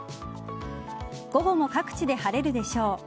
午後も各地で晴れるでしょう。